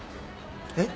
えっ！？